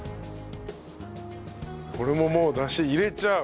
これももうダシ入れちゃう。